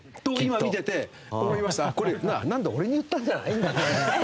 なんだ俺に言ったんじゃないんだって。